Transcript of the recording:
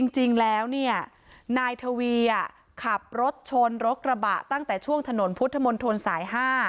จริงแล้วเนี่ยนายทวีขับรถชนรถกระบะตั้งแต่ช่วงถนนพุทธมนตรสาย๕